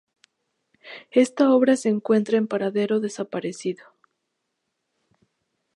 Ésta obra se encuentra en paradero desaparecido.